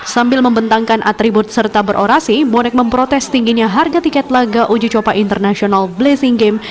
sambil membentangkan atribut serta berorasi bonek memprotes tingginya harga tiket laga uji coba international blessing game